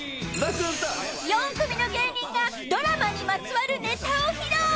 ［４組の芸人がドラマにまつわるネタを披露！］